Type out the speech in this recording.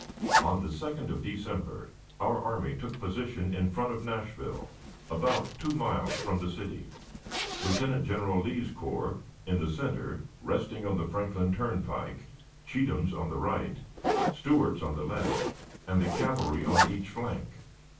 On the 2d of December our army took position in front of Nashville about two miles from the city, Lieutenant General Lee's corps in the center resting on the Franklin turnpike, Cheatham's on the right, Stewart's on the left, and the cavalry on each flank.